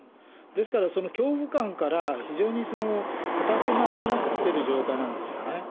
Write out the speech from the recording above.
ですから、恐怖感から非常にかたくなになってる状態なんですよね。